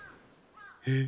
えっ？